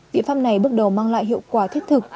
viện pháp này bước đầu mang lại hiệu quả thích thực